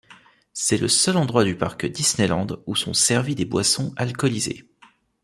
C'est le seul endroit du parc Disneyland où sont servies des boissons alcoolisées.